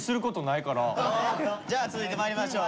じゃあ続いてまいりましょう。